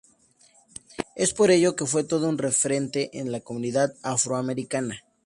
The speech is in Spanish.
Es por ello que fue todo un referente en la comunidad afroamericana.